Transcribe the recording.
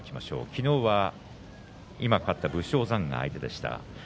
昨日は今、勝った武将山が相手でした。